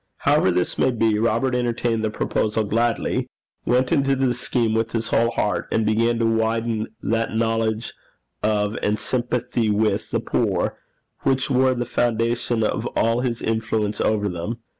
However this may be, Robert entertained the proposal gladly, went into the scheme with his whole heart, and began to widen that knowledge of and sympathy with the poor which were the foundation of all his influence over them.